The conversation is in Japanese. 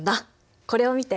これを見て。